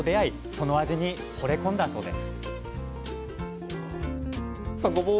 その味にほれ込んだそうです